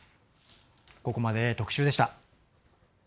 ここまで、特集でした。